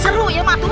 seru ya matuh